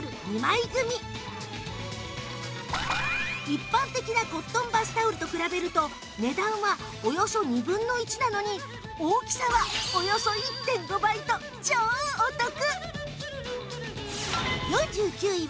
一般的なコットンバスタオルと比べると値段はおよそ２分の１なのに大きさはおよそ １．５ 倍と超お得